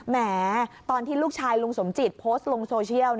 แม้ตอนที่ลูกชายลุงสมจิตโพสต์ลงโซเชียล